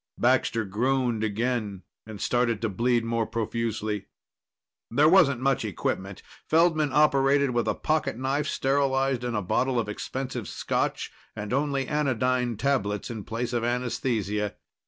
Baxter groaned again and started to bleed more profusely. There wasn't much equipment. Feldman operated with a pocketknife sterilized in a bottle of expensive Scotch and only anodyne tablets in place of anesthesia.